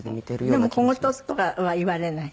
でも小言とかは言われない？